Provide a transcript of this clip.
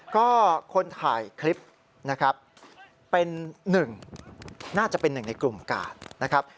ก็คนถ่ายคลิปนะครับเป็นหนึ่งน่าจะเป็นหนึ่งในกลุ่มกาดนะครับ